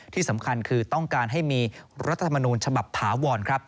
ที่สำคัญคือต้องการให้มีรัฐธรรมนูญฉบับถาวรครับ